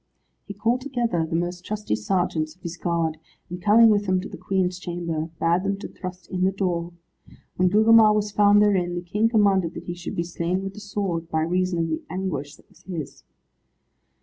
He called together the most trusty sergeants of his guard, and coming with them to the Queen's chamber, bade them to thrust in the door. When Gugemar was found therein, the King commanded that he should be slain with the sword, by reason of the anguish that was his.